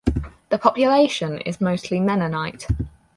The population is mostly Mennonite.